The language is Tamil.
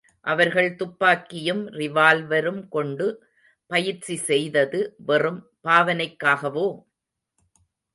அவர்கள் துப்பாக்கியும் ரிவால்வரும் கொண்டு பயிற்சி செய்தது வெறும் பாவனைக்காகவோ?